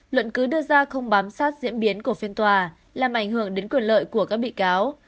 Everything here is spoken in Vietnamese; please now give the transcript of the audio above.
luận cứ đưa ra không bám sát diễn biến của phiên tòa làm ảnh hưởng đến quyền lợi của các bị cáo